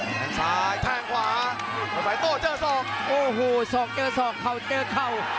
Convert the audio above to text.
แท่งซ้ายแท่งขวาไวไฟโตเจอสอกโอ้โหสอกเจอสอกเข้าเจอเข้า